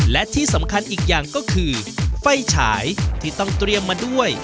และที่สำคัญอีกอย่างก็คือไฟฉายที่ต้องเตรียมมาด้วย